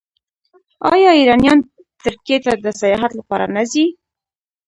آیا ایرانیان ترکیې ته د سیاحت لپاره نه ځي؟